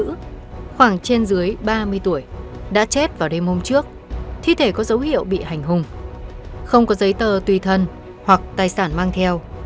nữ khoảng trên dưới ba mươi tuổi đã chết vào đêm hôm trước thi thể có dấu hiệu bị hành hùng không có giấy tờ tùy thân hoặc tài sản mang theo